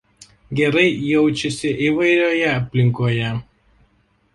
Gerai jaučiasi įvairioje aplinkoje.